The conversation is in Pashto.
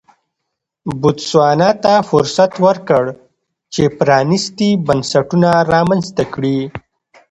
بوتسوانا ته فرصت ورکړ چې پرانیستي بنسټونه رامنځته کړي.